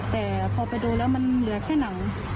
แต่พอไปดูแล้วอย่าแค่นะคะ